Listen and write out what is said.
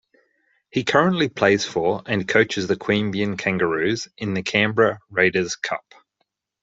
He currently plays for and coaches the Queanbeyan Kangaroos in the Canberra Raiders cup.